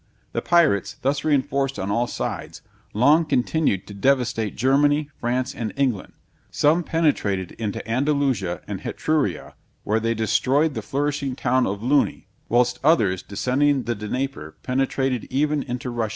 The pirates, thus reinforced on all sides, long continued to devastate Germany, France, and England; some penetrated into Andalusia and Hetruria, where they destroyed the flourishing town of Luni; whilst others, descending the Dnieper, penetrated even into Russia.